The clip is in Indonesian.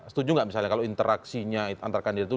setuju nggak misalnya kalau interaksinya antar kandidat itu